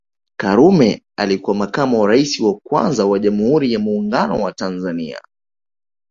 Karume alikuwa makamu wa rais wa kwanza wa Jamhuri ya Muungano wa Tanzania